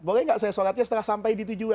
boleh nggak saya sholatnya setelah sampai di tujuan